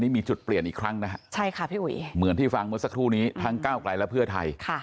เมื่อที่ฟังเมื่อสักครู่นี้ทั้งก้าวกลายและเพื่อไทย